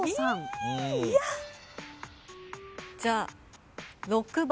じゃあ６番。